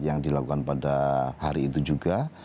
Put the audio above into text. yang dilakukan pada hari itu juga